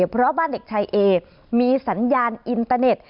เพราะบ้านเด็กชายเอมีสัญญาณอินเตอร์เน็ต